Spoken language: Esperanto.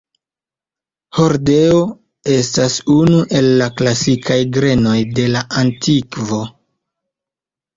Hordeo estas unu el la klasikaj grenoj de la antikvo.